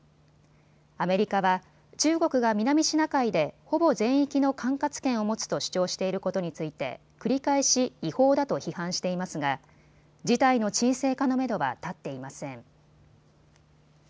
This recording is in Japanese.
アメリカは中国が南シナ海でほぼ全域の管轄権を持つと主張していることについて繰り返し違法だと批判していますが事態の沈静化のめどは立っていません。